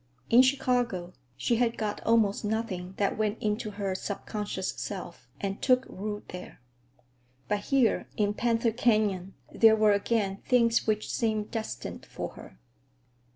In Chicago she had got almost nothing that went into her subconscious self and took root there. But here, in Panther Canyon, there were again things which seemed destined for her.